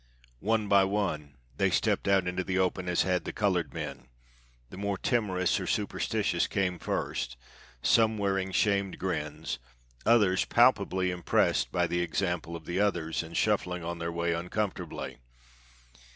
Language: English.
One by one they stepped out into the open as had the colored men; the more timorous, or superstitious, came first, some wearing shamed grins, others palpably impressed by the example of the others and shuffling on their way uncomfortably.